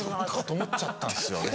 思っちゃったんですよね。